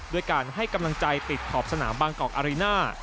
ด้วยการให้กำลังใจติดขอบสนามบางกอกอาริน่า